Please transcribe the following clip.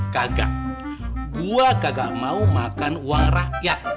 kagak dua kagak mau makan uang rakyat